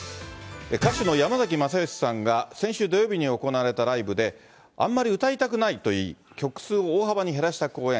歌手の山崎まさよしさんが先週土曜日に行われたライブで、あんまり歌いたくないと言い、曲数を大幅に減らした公演。